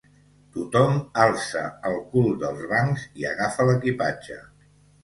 Tothom alça el cul dels bancs i agafa l'equipatge.